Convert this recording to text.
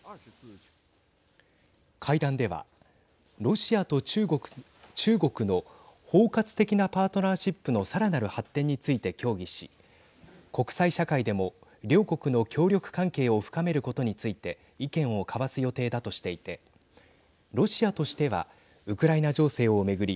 会談では、ロシアと中国の包括的なパートナーシップのさらなる発展について協議し国際社会でも、両国の協力関係を深めることについて意見を交わす予定だとしていてロシアとしてはウクライナ情勢を巡り